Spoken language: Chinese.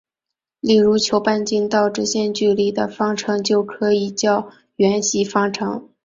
例如求半径到直线距离的方程就可以叫圆系方程。